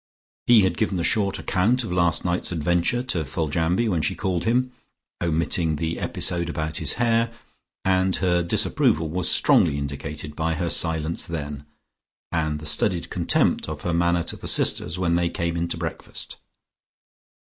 He had given a short account of last night's adventure to Foljambe when she called him, omitting the episode about his hair, and her disapproval was strongly indicated by her silence then, and the studied contempt of her manner to the sisters when they came in to breakfast.